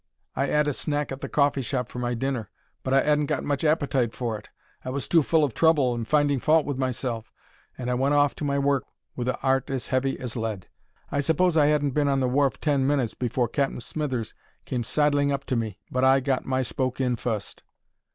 I 'ad a snack at a coffee shop for my dinner, but I 'adn't got much appetite for it; I was too full of trouble and finding fault with myself, and I went off to my work with a 'art as heavy as lead. I suppose I 'adn't been on the wharf ten minutes afore Cap'n Smithers came sidling up to me, but I got my spoke in fust.